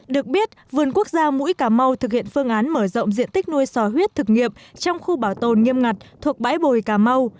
được biết vườn quốc gia mũi cà mau thực hiện phương án mở rộng diện tích nuôi sò huyết thực nghiệp trong khu bảo tồn nghiêm ngặt thuộc bãi bồi cà mau